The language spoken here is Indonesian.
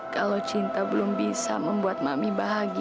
kalau cinta belum bisa membuat mami bahagia